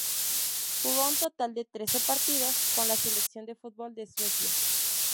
Jugó un total de trece partidos con la selección de fútbol de Suecia.